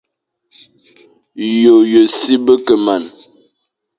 Yô ye si be ke man,